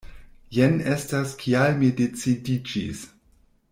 Jen estas kial mi decidiĝis.